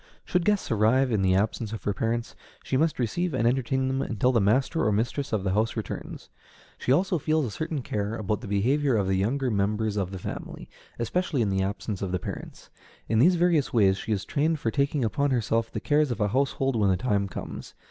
Should guests arrive in the absence of her parents, she must receive and entertain them until the master or mistress of the house returns. She also feels a certain care about the behavior of the younger members of the family, especially in the absence of the parents. In these various ways she is trained for taking upon herself the cares of a household when the time comes.